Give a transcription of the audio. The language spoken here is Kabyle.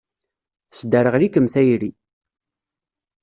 Tesderɣel-ikem tayri.